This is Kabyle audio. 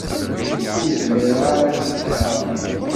Ur zmireɣ ara ad k-ḍefreɣ.